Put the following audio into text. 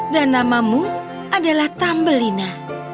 dan namamu adalah tambelina